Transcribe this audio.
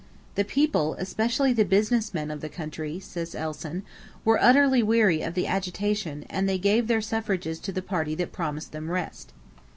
"The people, especially the business men of the country," says Elson, "were utterly weary of the agitation and they gave their suffrages to the party that promised them rest."